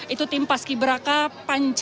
itu tim paski berakad pancasila tangguh